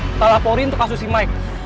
kita laporin untuk kasus si mike